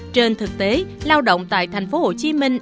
trên thực tế lao động tại thành phố hồ chí minh